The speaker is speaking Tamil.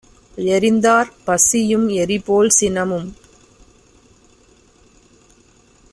எறிந்தார். பசியும், எரிபோல் சினமும்